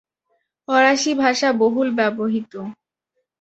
ফরাসি ভাষা বহুল ব্যবহৃত।